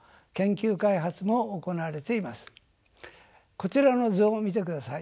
こちらの図を見てください。